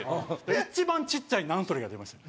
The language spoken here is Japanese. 一番ちっちゃい「なんそれ！」が出ました。